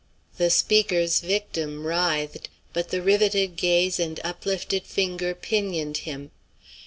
'" The speaker's victim writhed, but the riveted gaze and an uplifted finger pinioned him.